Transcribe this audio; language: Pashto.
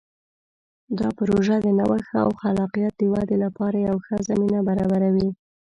دا پروژه د نوښت او خلاقیت د ودې لپاره یوه ښه زمینه برابروي.